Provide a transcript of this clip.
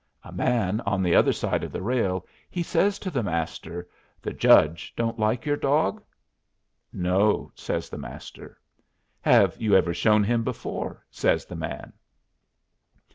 A man on the other side of the rail he says to the Master, "The judge don't like your dog?" "No," says the Master. "Have you ever shown him before?" says the man.